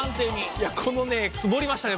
いやこのねツボりましたね